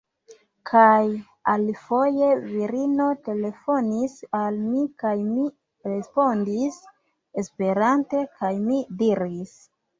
Kaj alifoje, virino telefonis al mi, kaj mi respondis Esperante, kaj mi diris: